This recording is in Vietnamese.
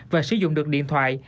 và sử dụng được điện thoại